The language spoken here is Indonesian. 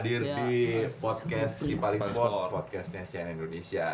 hadir di podcast di paling sport podcastnya asean indonesia